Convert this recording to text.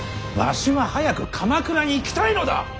わしは早く鎌倉に行きたいのだ！